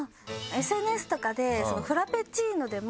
ＳＮＳとかで。